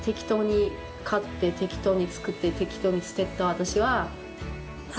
私は。